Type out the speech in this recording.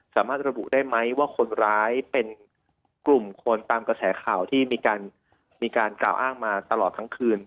สามารถระบุได้ไหมว่าคนร้ายเป็นกลุ่มคนตามกระแสข่าวที่มีการกล่าวอ้างมาตลอดทั้งคืน